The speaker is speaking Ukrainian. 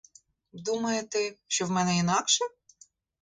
Думаєте, що в мене інакше?